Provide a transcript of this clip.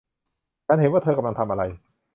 ฉันเห็นว่าเธอกำลังทำอะไร